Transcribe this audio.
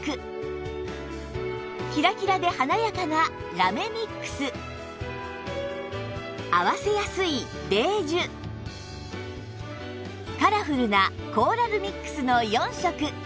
キラキラで華やかな合わせやすいカラフルなコーラルミックスの４色